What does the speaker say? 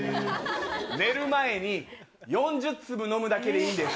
寝る前に、４０粒飲むだけでいいんです。